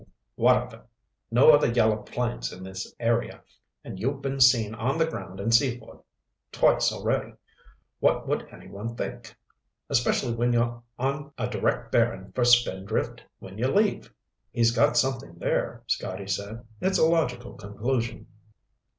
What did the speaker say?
"What of it? No other yellow planes in this area, and you been seen on the ground in Seaford twice already. What would anyone think? Especially when you're on a direct bearing for Spindrift when you leave?" "He's got something there," Scotty said. "It's a logical conclusion."